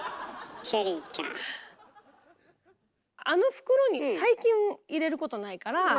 あの袋に大金を入れることないから。